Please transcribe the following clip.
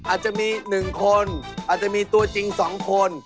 อาจจะมี๑คนอาจจะมีตัวจริง๒คน